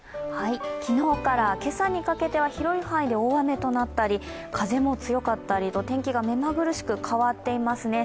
昨日から今朝にかけては広い範囲で大雨となったり風も強かったりと天気がめまぐるしく変わっていますね。